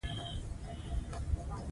کولمو مایکروبیوم د خپګان خطر کموي.